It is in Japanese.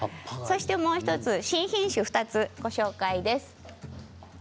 もう１つ新品種２つ、ご紹介です。